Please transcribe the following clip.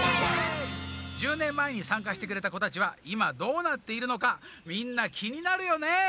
１０年まえにさんかしてくれたこたちはいまどうなっているのかみんなきになるよね！？